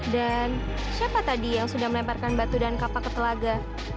dan siapa tadi yang sudah melemparkan batu dan kapak ke telaga